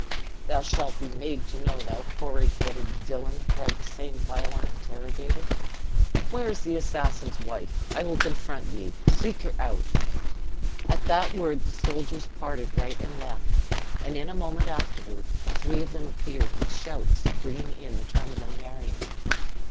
"Thou shalt be made to know, thou hoary headed villian!" cried the same violent interrogator. "Where is the assassin's wife? I will confront ye. Seek her out." At that word the soldiers parted right and left, and in a moment afterward three of them appeared, with shouts, bringing in the trembling Marion.